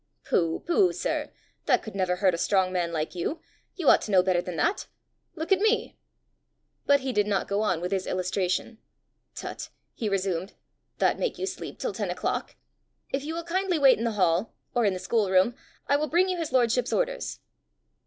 "Pooh! pooh, sir! That could never hurt a strong man like you! You ought to know better than that! Look at me!" But he did not go on with his illustration. "Tut!" he resumed, "that make you sleep till ten o'clock! If you will kindly wait in the hall, or in the schoolroom, I will bring you his lordship's orders."